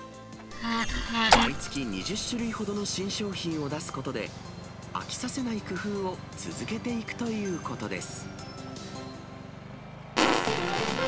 毎月２０種類ほどの新商品を出すことで、飽きさせない工夫を続けていくということです。